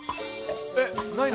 えっ、ないの？